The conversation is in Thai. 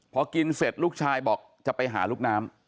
พอกินเสร็จลูกชายบอกจะไปหาลูกน้ำ